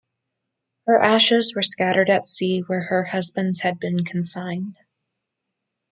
Her ashes were scattered at sea where her husband's had been consigned.